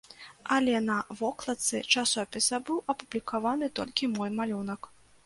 Але на вокладцы часопіса быў апублікаваны толькі мой малюнак.